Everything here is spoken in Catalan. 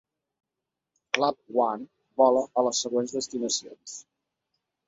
Club One vola a les següents destinacions.